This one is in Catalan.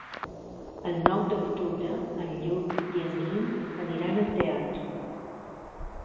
El nou d'octubre en Lluc i en Guim aniran al teatre.